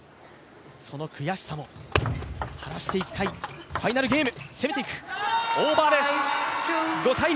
その悔しさも晴らしていきたい、ファイナルゲーム。